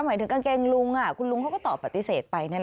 หมายถึงกางเกงลุงคุณลุงเขาก็ตอบปฏิเสธไป